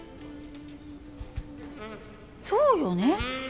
そうよね。